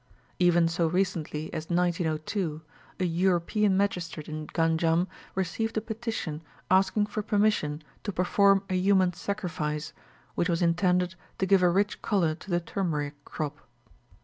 Even so recently as 1902, a European magistrate in Ganjam received a petition, asking for permission to perform a human sacrifice, which was intended to give a rich colour to the turmeric crop.